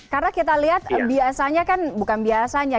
karena kita lihat biasanya kan bukan biasanya